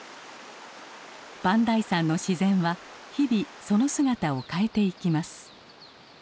磐梯山の自然は日々その姿を変えていきます。